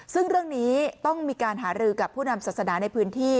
ซึ่งเรื่องนี้ต้องมีการหารือกับผู้นำศาสนาในพื้นที่